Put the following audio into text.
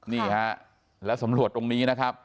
นี่ฮะแล้วสำรวจตรงนี้นะครับ